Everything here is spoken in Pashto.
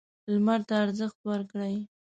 لمر ته ارزښت ورکړئ.